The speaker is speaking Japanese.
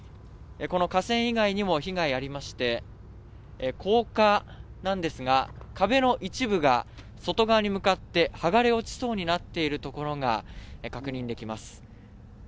この架線以外にも被害がありまして、高架なんですが、壁の一部が外側に向かって剥がれ落ちそうになっているところが確認できます。